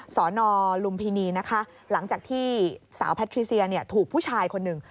สอนอลุมพินีนะคะหลังจากที่สาวแพทริเซียถูกผู้ชายคนหนึ่ง